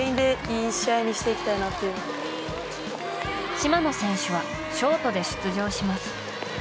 島野選手はショートで出場します。